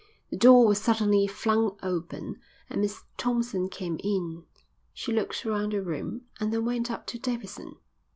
The door was suddenly flung open and Miss Thompson came in. She looked round the room and then went up to Davidson.